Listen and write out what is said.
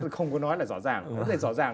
không có nói là rõ ràng